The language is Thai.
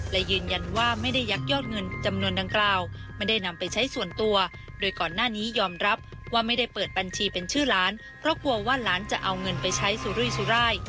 และยืนยันว่าไม่ได้ยักยอดเงินจำนวนดังกล่าวไม่ได้นำไปใช้ส่วนตัวโดยก่อนหน้านี้ยอมรับว่าไม่ได้เปิดบัญชีเป็นชื่อหลานเพราะกลัวว่าหลานจะเอาเงินไปใช้สุรุยสุราย